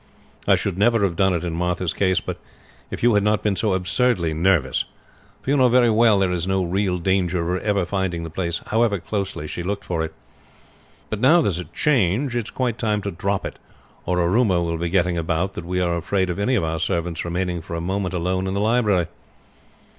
I should never have done it in Martha's case if you had not been so absurdly nervous; for you know very well there was no real danger of her ever finding the place however closely she looked for it. But now there's a change it is quite time to drop it, or a rumor will be getting about that we are afraid of any of our servants remaining for a moment alone in the library."